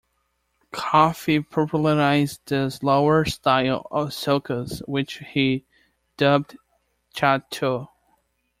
Koffi popularized the slower style of Soukous, which he dubbed Tcha Tcho.